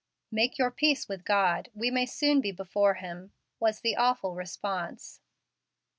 "Make your peace with God. We may soon be before Him," was the awful response.